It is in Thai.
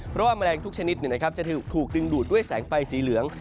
เพราะว่าแมลงทุกชนิดจะถูกดึงดูดด้วยแสงไฟสีเหลือง